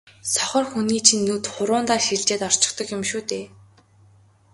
сохор хүний чинь нүд хуруундаа шилжээд орчихдог юм шүү дээ.